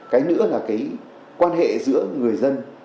cái nữa là cái quan hệ giữa người dân